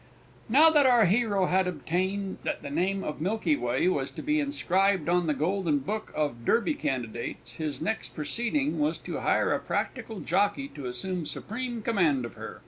_ Now that our hero had obtained that the name of Milky Way was to be inscribed on the Golden Book of Derby candidates, his next proceeding was to hire a practical jockey to assume supreme command of her.